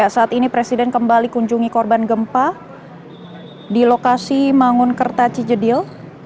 saat ini presiden kembali kunjungi korban gempa di lokasi mangun kerta cijedil